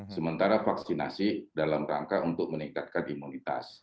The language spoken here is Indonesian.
sementara vaksinasi dalam rangka untuk meningkatkan imunitas